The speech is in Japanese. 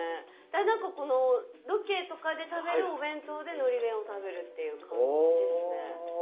だからなんかこのロケとかで食べるお弁当でのり弁を食べるっていう感じですね。